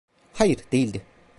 Hayır, değildi.